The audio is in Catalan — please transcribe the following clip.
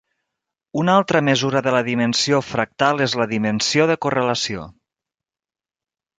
Una altra mesura de la dimensió fractal és la dimensió de correlació.